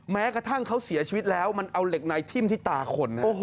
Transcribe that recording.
แม้กระทั่งเขาเสียชีวิตแล้วมันเอาเหล็กในทิ้มที่ตาคน